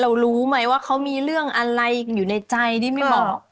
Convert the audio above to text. รู้ไหมว่าเขามีเรื่องอะไรอยู่ในใจที่ไม่บอก